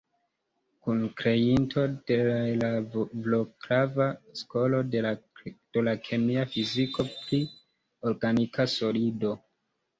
Kunkreinto de la vroclava skolo de la kemia fiziko pri organika solido.